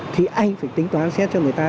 thì anh phải tính toán xét cho người ta